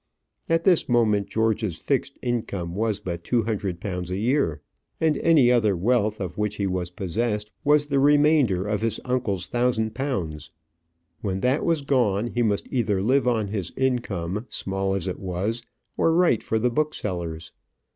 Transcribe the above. At this moment George's fixed income was but two hundred pounds a year, and any other wealth of which he was possessed was the remainder of his uncle's thousand pounds. When that was gone, he must either live on his income, small as it was, or write for the booksellers.